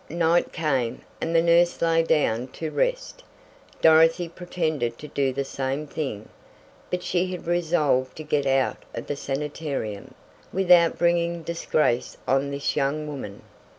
Night came, and the nurse lay down to rest. Dorothy pretended to do the same thing, but she had resolved to get out of that sanitarium, without bringing disgrace on this young woman.